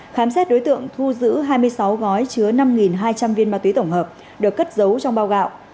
khám xét đối tượng thu giữ hai mươi sáu gói chứa năm hai trăm linh viên ma túy tổng hợp được cất giấu trong bao gạo